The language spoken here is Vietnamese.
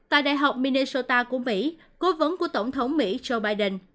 tại đại học minetsota của mỹ cố vấn của tổng thống mỹ joe biden